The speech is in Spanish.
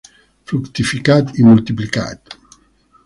Fructificad y multiplicad